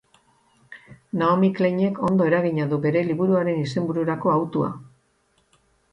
Naomi Kleinek ondo egina du bere liburuaren izenbururako hautua.